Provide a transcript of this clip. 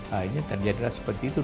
hanya terjadilah seperti itu